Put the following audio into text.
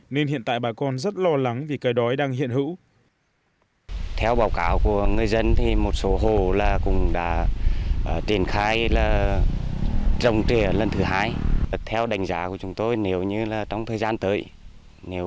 nên hiện tại bà con rất lo lắng vì cây đói đang hiện hữu